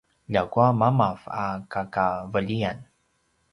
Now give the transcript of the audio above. ljakua mamav a kakavelian